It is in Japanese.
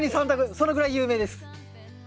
そのぐらい有名です。